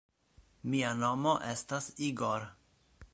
Mia nomo estas Igor.